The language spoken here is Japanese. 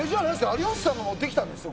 有吉さんが持ってきたんですよ